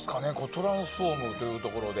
トランスフォームというところで。